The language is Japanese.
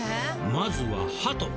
まずはハト！